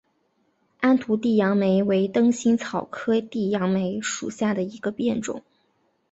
安图地杨梅为灯心草科地杨梅属下的一个变种。